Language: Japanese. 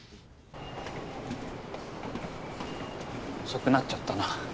遅くなっちゃったな。